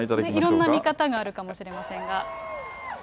いろんな見方があるかもしれませんが。